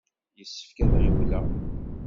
Yessefk ad ɣiwleɣ!